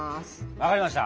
わかりました！